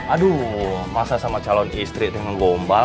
aduh masa sama calon istri dengan gombal